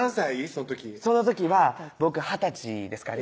その時その時は僕二十歳ですかね